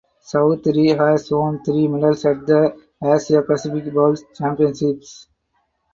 Choudhury has won three medals at the Asia Pacific Bowls Championships.